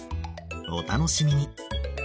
お楽しみに。